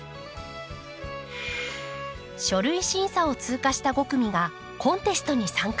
書類審査を通過した５組がコンテストに参加。